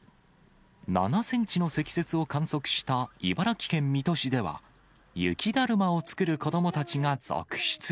７センチの積雪を観測した茨城県水戸市では、雪だるまを作る子どもたちが続出。